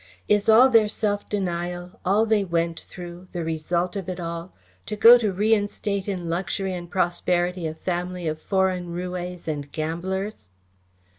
Is all their self denial, all they went through, the result of it all, to go to reinstate in luxury and prosperity a family of foreign roués and gamblers?"